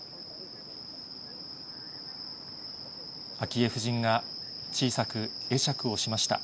昭恵夫人が小さく会釈をしました。